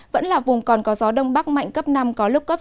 vẫn là vùng còn có gió đông bắc mạnh cấp năm có lúc cấp sáu